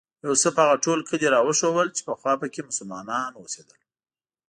یوسف هغه ټول کلي راوښودل چې پخوا په کې مسلمانان اوسېدل.